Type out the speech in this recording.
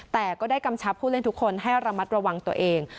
แต่ก็ได้กำชับผู้เล่นทุกคนให้ระมัดระวังตัวเอง